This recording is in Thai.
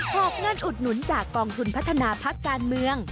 อบเงินอุดหนุนจากกองทุนพัฒนาพักการเมือง